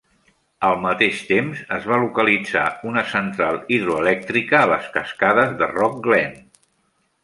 Al mateix temps, es va localitzar una central hidroelèctrica a les cascades de Rock Glen.